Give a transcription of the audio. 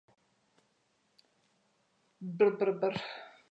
Еден од нас започнува да и ги стиска цицките.